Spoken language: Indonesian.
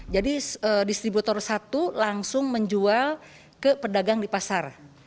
jadi distributor satu langsung menjual ke pedagang di pasar